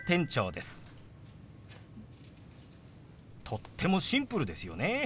とってもシンプルですよね。